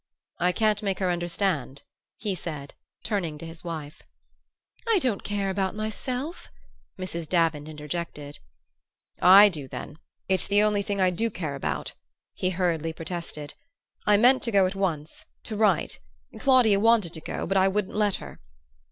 "I can't make her understand," he said, turning to his wife. "I don't care about myself!" Mrs. Davant interjected. "I do, then; it's the only thing I do care about," he hurriedly protested. "I meant to go at once to write Claudia wanted to go, but I wouldn't let her."